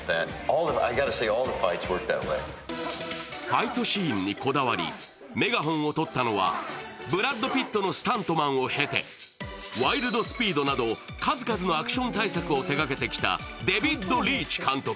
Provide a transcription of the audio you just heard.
ファイトシーンにこだわりメガホンをとったのはブラッド・ピットのスタントマンを経て「ワイルド・スピード」など数々のアクション大作を手がけてきたデヴィッド・リーチ監督。